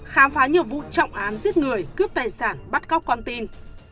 khám phá nhiều vụ trọng án giết người cướp tài sản bắt cóc con tin